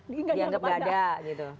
dianggap gak ada gitu